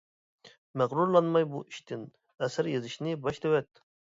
مەغرۇرلانماي بۇ ئىشتىن ئەسەر يېزىشنى باشلىۋەت.